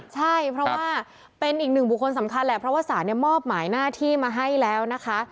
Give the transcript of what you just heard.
ใช่เพราะว่าเป็นอีกหนึ่งบุคคลสำคัญแหละเพราะว่าศาลมอบหมายหน้าที่มาให้แล้วนะคะ